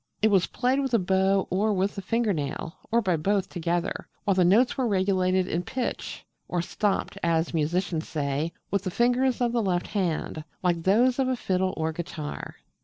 It was played with a bow or with the finger nail, or by both together, while the notes were regulated in pitch or 'stopped' as musicians say with the fingers of the left hand, like those of a fiddle or guitar.